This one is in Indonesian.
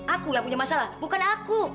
aku yang punya masalah bukan aku